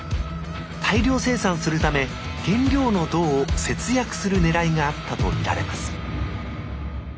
大量生産するため原料の銅を節約するねらいがあったと見られます